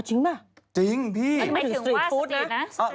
จริงป่ะจริงพี่ไม่ถึงว่าสตรีทฟู้ดนะ